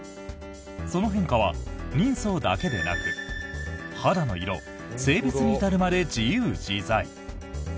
その変化は人相だけでなく肌の色、性別に至るまで自由自在。